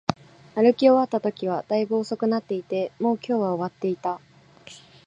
歩き終わったときは、大分遅くなっていて、もう今日は終わっていた